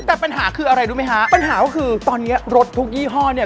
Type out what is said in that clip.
แต่ปัญหาคืออะไรรู้ไหมฮะปัญหาก็คือตอนเนี้ยรถทุกยี่ห้อเนี่ย